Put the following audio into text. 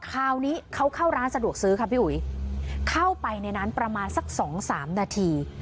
คราวนี้เขาเข้าร้านสะดวกซื้อค่ะพี่อุ๋ยเข้าไปในนั้นประมาณสักสองสามนาที